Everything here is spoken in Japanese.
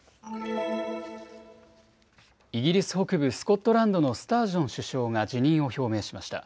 イギリス北部スコットランドのスタージョン首相が辞任を表明しました。